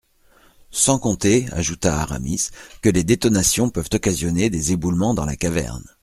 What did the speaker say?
Sans compter, ajouta Aramis, que les détonations peuvent occasionner des éboulements dans la caverne.